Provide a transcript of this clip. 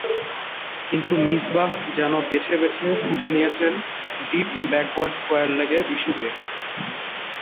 কিন্তু মিসবাহ যেন বেছে বেছে খুঁজে নিয়েছেন ডিপ ব্যাকওয়ার্ড স্কয়ার লেগে বিশুকে।